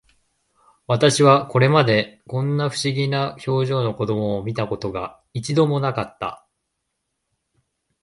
私はこれまで、こんな不思議な表情の子供を見た事が、一度も無かった